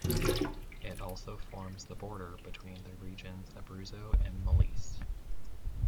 It also forms the border between the regions Abruzzo and Molise.